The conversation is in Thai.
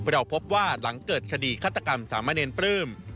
เราพบว่าหลังเกิดคดีฆาตกรรมสามเณรปลื้ม